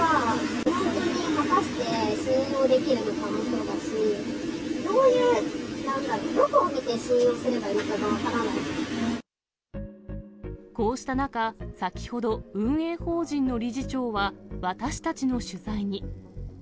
本当に果たして信用できるのかもそうだし、どこを見て信用すればこうした中、先ほど運営法人の理事長は、私たちの取材に。